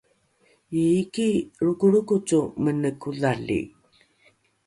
iiki lrokolrokoco mene kodhali